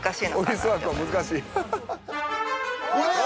「オフィスワークは難しい」はははっ。